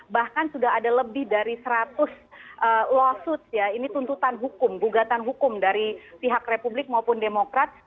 bahkan sudah ada lebih dari seratus lawsuit ya ini tuntutan hukum gugatan hukum dari pihak republik maupun demokrat